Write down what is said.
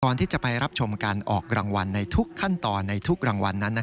ที่จะไปรับชมการออกรางวัลในทุกขั้นตอนในทุกรางวัลนั้น